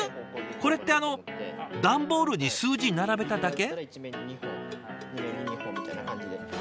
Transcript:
これってあの段ボールに数字並べただけ？